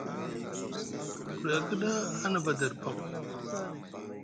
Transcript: Buri a kiɗa a nava der paŋ,